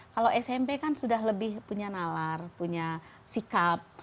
kalau smp kan sudah lebih punya nalar punya sikap